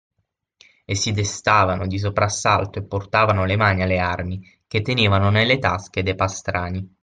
E si destavano di soprassalto e portavano le mani alle armi, che tenevano nelle tasche de’ pastrani.